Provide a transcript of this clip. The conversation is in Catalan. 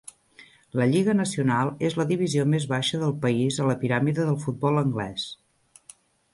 La Lliga nacional és la divisió més baixa del país a la piràmide del futbol anglès.